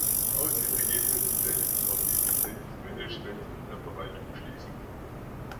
Aus den Ergebnissen lässt sich auf die Effizienz des Managements und der Verwaltung schließen.